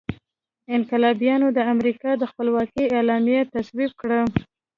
انقلابیانو د امریکا د خپلواکۍ اعلامیه تصویب کړه.